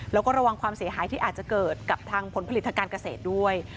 แล้วก็ระวังความเสียหายที่อาจจะเกิดกับทางผลผลิตทางการเกษตรด้วย